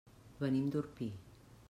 Venim d'Orpí.